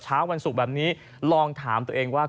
ความสุขแบบนี้ลองถามตัวเองว่า